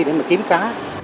để mà kiếm cá